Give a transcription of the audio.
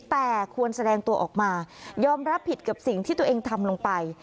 แต่ควรแสดงตัวออกมายอมรับผิดกับสิ่งที่ตัวเองทำลงไป